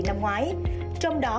năm ngoái trong đó